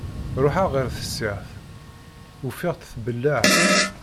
Ruḥeɣ ɣer tessirt ufiɣ-tt tbelleɛ.